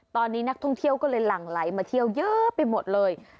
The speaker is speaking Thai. ตอนนี้นักท่องเที่ยวก็เลยหลั่งไหลมาเที่ยวเยอะไปหมดเลย